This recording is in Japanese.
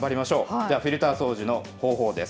じゃあ、フィルター掃除の方法です。